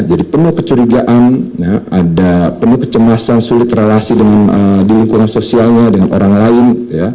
penuh kecurigaan ada penuh kecemasan sulit relasi di lingkungan sosialnya dengan orang lain